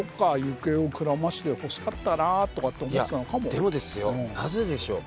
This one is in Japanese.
いやでもですよなぜでしょう？